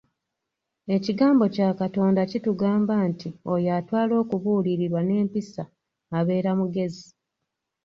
Ekigambo kya Katonda kitugamba nti oyo atwala okubuulirirwa n'empisa abeera mugezi.